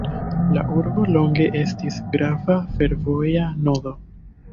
La urbo longe estis grava fervoja nodo.